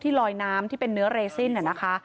ลอยน้ำที่เป็นเนื้อเรซินนะคะ